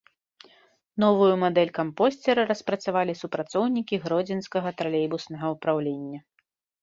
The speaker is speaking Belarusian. Новую мадэль кампосцера распрацавалі супрацоўнікі гродзенскага тралейбуснага ўпраўлення.